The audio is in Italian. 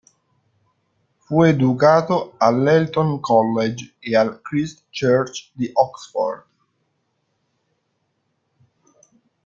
Fu educato all'Eton College e al Christ Church di Oxford.